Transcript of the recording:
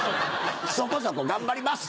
そこそこ頑張ります。